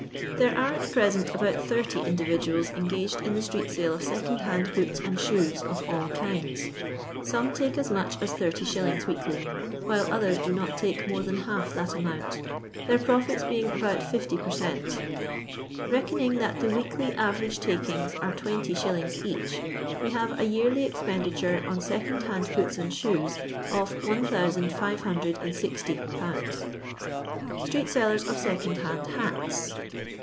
There are at present about 80 in dividuals engaged in the street sale of second hand boots and shoes of all kinds; some take as much as 80it. weekly, while others do not take more than half that amount; their profits being about 50 per cent Reckoning that the vreekly avenge takings are 20s. each, we have a yearly expenditure on second hand boots and shoes of 1,560 0 0 Street Sellers qf Second hand ffats.